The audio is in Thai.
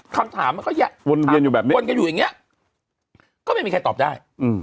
คำถามก็อย่างนี้วนกันอยู่อย่างนี้ก็ไม่มีใครตอบได้